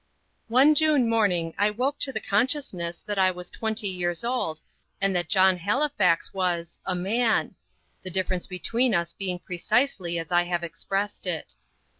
One June morning I woke to the consciousness that I was twenty years old, and that John Halifax was a man: the difference between us being precisely as I have expressed it.